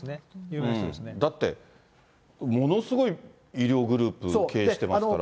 だって、ものすごい医療グループ経営してますから。